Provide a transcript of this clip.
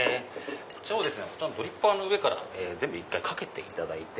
こちらをドリッパーの上から全部かけていただいて。